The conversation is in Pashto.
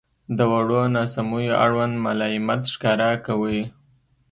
• د وړو ناسمیو اړوند ملایمت ښکاره کوئ.